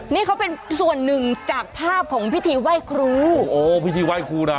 นี่เขาเป็นส่วนหนึ่งจากภาพของพิธีไหว้ครูโอ้พิธีไหว้ครูนะ